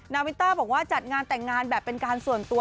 นาวิต้าบอกว่าจัดงานแต่งงานแบบเป็นการส่วนตัว